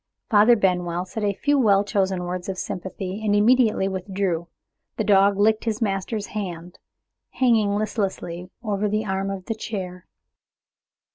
Father Benwell said a few well chosen words of sympathy, and immediately withdrew. The dog licked his master's hand, hanging listlessly over the arm of the chair.